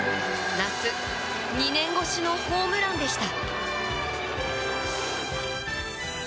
夏２年越しのホームランでした。